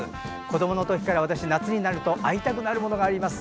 子どものときから私、夏になると会いたくなるものがあります。